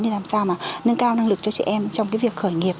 để làm sao mà nâng cao năng lực cho chị em trong cái việc khởi nghiệp